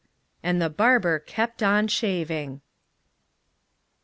And the barber kept on shaving.